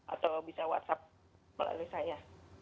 atau bisa whatsapp melalui saya